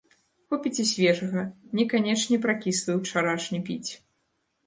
Хопіць і свежага, не канечне пракіслы ўчарашні піць.